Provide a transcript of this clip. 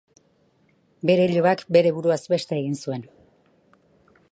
Bere ilobak bere buruaz beste egin zuen.